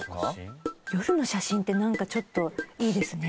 夜の写真ってなんかちょっといいですね。